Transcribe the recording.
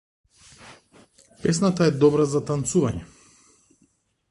Песната е добра за танцување.